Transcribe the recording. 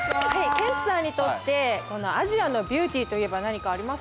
ケンチさんにとってこのアジアのビューティーといえば何かあります？